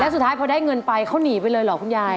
สุดท้ายพอได้เงินไปเขาหนีไปเลยเหรอคุณยาย